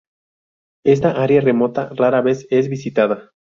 Esta área remota rara vez es visitada.